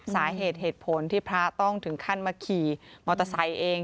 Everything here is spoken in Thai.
สาเหตุเหตุผลที่พระต้องถึงขั้นมาขี่มอเตอร์ไซค์เอง